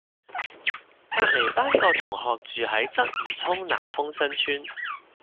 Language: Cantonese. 隔離班個同學住喺鰂魚涌南豐新邨